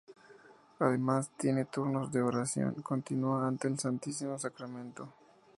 Además tienen turnos de oración continua ante el Santísimo Sacramento.